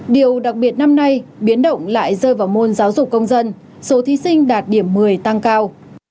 điều đặc biệt năm nay biến động lại rơi vào môn giáo dục công dân số thí sinh đạt điểm một mươi tăng cao